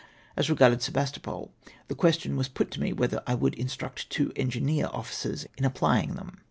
As regarded Sebastopol, the qnestion was put to me whether I would instruct two engineer ofiicers in applying them?